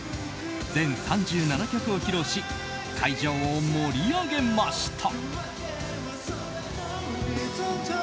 全３７曲を披露し会場を盛り上げました。